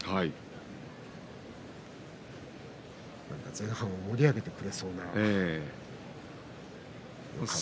前半を盛り上げてくれそうな感じですね。